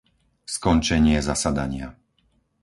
Skončenie zasadania